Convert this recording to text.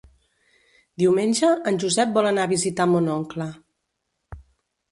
Diumenge en Josep vol anar a visitar mon oncle.